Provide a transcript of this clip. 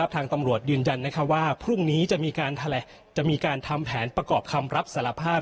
ทางตำรวจยืนยันว่าพรุ่งนี้จะมีการทำแผนประกอบคำรับสารภาพ